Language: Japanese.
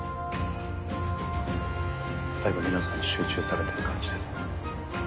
だいぶ皆さん集中されてる感じですね。